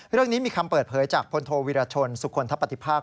เรื่องนี้มีคำเปิดเผยจากพลโทวิรชนสุคลทะปฏิภาค